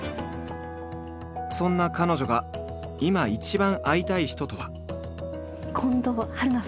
そんな彼女が今一番会いたい人とは？